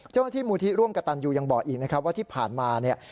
มูลที่ร่วมกระตันยูยังบอกอีกนะครับว่าที่ผ่านมาเนี่ย